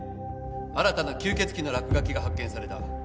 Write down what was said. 新たな吸血鬼の落書きが発見された。